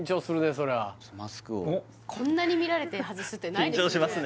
それはこんなに見られて外すってないですよね？